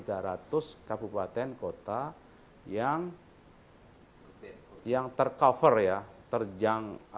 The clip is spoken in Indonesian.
sekitar tiga ratus kabupaten kota yang tercover ya